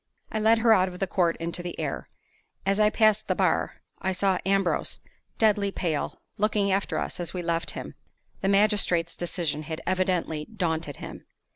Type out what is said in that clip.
I led her out of the court into the air. As I passed the "bar," I saw Ambrose, deadly pale, looking after us as we left him: the magistrate's decision had evidently daunted him.